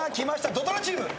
土ドラチーム。